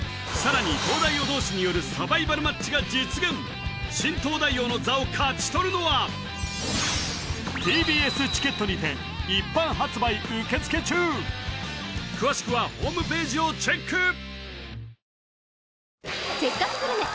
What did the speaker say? さらに東大王同士によるサバイバルマッチが実現新東大王の座を勝ち取るのはＴＢＳチケットにて一般発売受付中詳しくはホームページをチェック